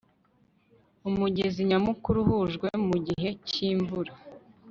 umugezi nyamukuru uhujwe mugihe cyimvura